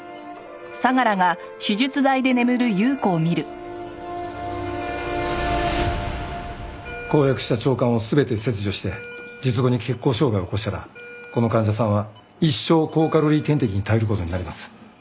絞扼した腸管を全て切除して術後に血行障害を起こしたらこの患者さんは一生高カロリー点滴に頼る事になります。